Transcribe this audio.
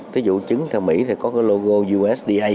ví dụ chứng theo mỹ thì có cái logo usda